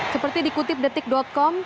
seperti dikutip detik com